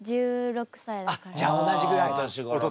あっじゃあ同じぐらいだ。